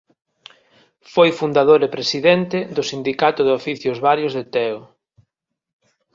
Foi fundador e presidente do Sindicato de Oficios Varios de Teo.